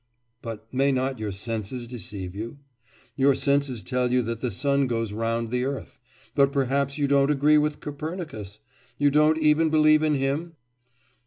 'But may not your senses deceive you? Your senses tell you that the sun goes round the earth,... but perhaps you don't agree with Copernicus? You don't even believe in him?